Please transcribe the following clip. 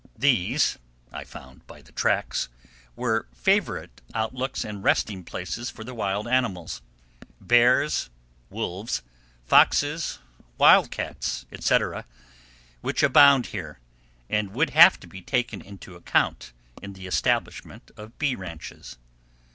These I found by the tracks were favorite outlooks and resting places for the wild animals—bears, wolves, foxes, wildcats, etc.—which abound here, and would have to be taken into account in the establishment of bee ranches.